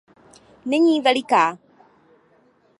Není veliká.